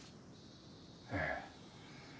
ええ。